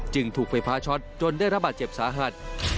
ถูกไฟฟ้าช็อตจนได้รับบาดเจ็บสาหัส